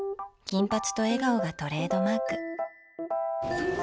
金髪と笑顔がトレードマーク。